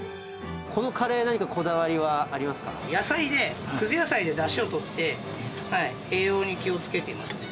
このカレー、何かこだわりは野菜、くず野菜でだしをとって栄養に気をつけていますね。